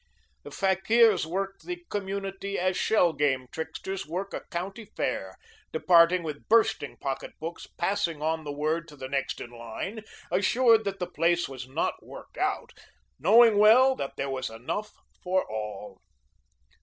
The fakirs worked the community as shell game tricksters work a county fair, departing with bursting pocket books, passing on the word to the next in line, assured that the place was not worked out, knowing well that there was enough for all.